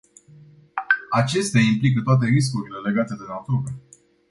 Acestea implică toate riscurile legate de natură.